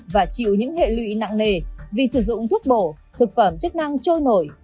và chịu những hệ lụy nặng nề vì sử dụng thuốc bổ thực phẩm chức năng trôi nổi